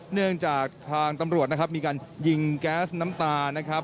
เนื่องจากทางตำรวจนะครับมีการยิงแก๊สน้ำตานะครับ